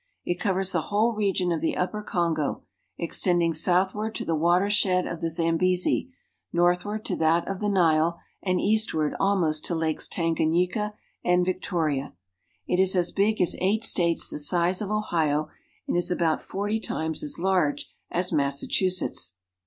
It covers the whole region of the upper Kongo, extending southward to the watershed of the Zambezi, northward to that of the Nile, and eastward almost to Lakes Tanganyika and Victoria. It is as big as eight States the size of Ohio and is about forty times as large as Massachusetts.